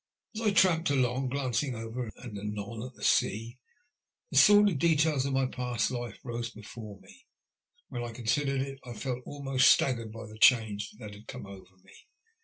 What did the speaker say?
As I tramped along, glancing ever and anon at the sea, the sordid details of my past life rose before me. When I eonsidered it, I felt almost staggered by the change that had come over me.